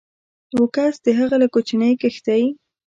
و کس د هغه له کوچنۍ کښتۍ